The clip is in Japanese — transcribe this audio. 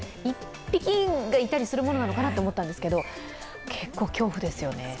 １匹がいるのもなのかなと思ったりしたんですけど結構、恐怖ですよね。